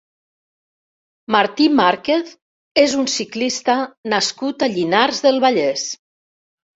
Martí Márquez és un ciclista nascut a Llinars del Vallès.